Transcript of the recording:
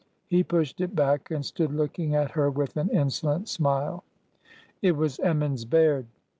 He pushed it back and stood looking at her with an insolent smile. It was Emmons Baird.